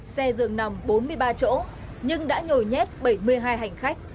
xe dường nằm bốn mươi ba chỗ nhưng đã nhồi nhét bảy mươi hai hành khách